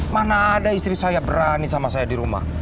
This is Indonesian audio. mana ada istri saya berani sama saya di rumah